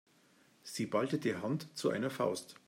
Sie ballte die Hand zu einer Faust.